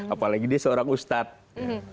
apalagi dia seorang ustadz